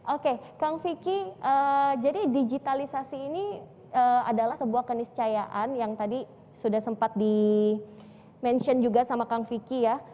oke kang vicky jadi digitalisasi ini adalah sebuah keniscayaan yang tadi sudah sempat di mention juga sama kang vicky ya